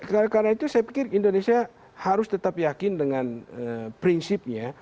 karena itu saya pikir indonesia harus tetap yakin dengan prinsipnya